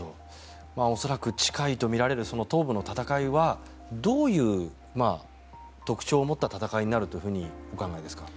恐らく近いとみられる東部の戦いはどういう特徴を持った戦いになるとお考えですか。